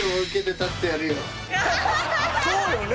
そうよね！